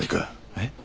えっ？